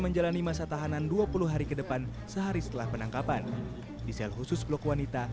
menjalani masa tahanan dua puluh hari ke depan sehari setelah penangkapan di sel khusus blok wanita